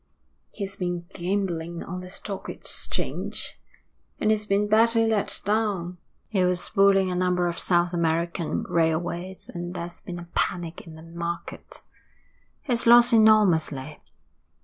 'He's been gambling on the Stock Exchange, and he's been badly let down. He was bulling a number of South American railways, and there's been a panic in the market. He's lost enormously.